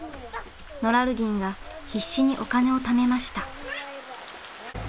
ノラルディンが必死にお金を貯めました。